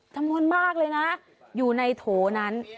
ทรัพย์มากเลยนะอยู่ในโถนั้น